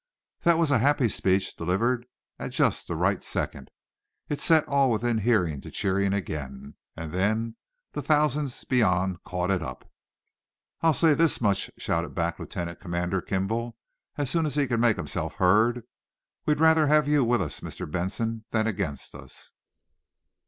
That was a happy speech, delivered at just the right second. It set all within hearing to cheering again. And then the thousands beyond caught it up. "I'll say this much," shouted back Lieutenant Commander Kimball, as soon as he could make himself heard: "We'd rather have you with us, Mr. Benson, than against us."